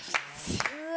うわ。